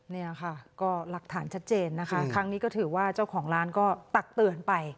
เนี่ยค่ะก็หลักฐานชัดเจนนะคะครั้งนี้ก็ถือว่าเจ้าของร้านก็ตักเตือนไป